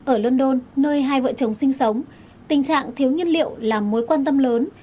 ở london nơi hai vợ chồng sinh sống tình trạng thiếu nhiên liệu là mối quan tâm lớn